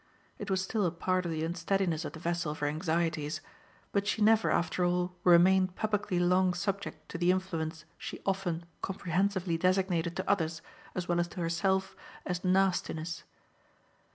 It was still a part of the unsteadiness of the vessel of her anxieties; but she never after all remained publicly long subject to the influence she often comprehensively designated to others as well as to herself as "nastiness."